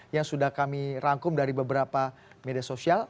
yang sudah kami rangkum dari beberapa media sosial